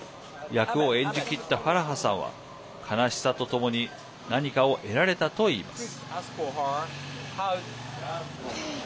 役を演じきったファラハさんは悲しさとともに何かを得られたと言います。